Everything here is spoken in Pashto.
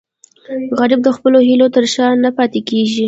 غریب د خپلو هیلو تر شا نه پاتې کېږي